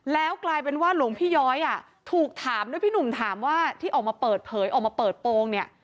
แล้วกลายเป็นว่าหลวงพี่ย้อยอ่ะถูกถามด้วยพี่หนุ่มถามว่าที่ออกมาเปิดเผยออกมาเปิดโปรงเนี่ย